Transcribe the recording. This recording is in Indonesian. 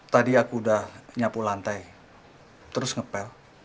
tadi aku udah nyapu lantai terus ngepel